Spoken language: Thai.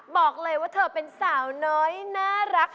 บอกเลยว่าเธอเป็นสาวน้อยน่ารัก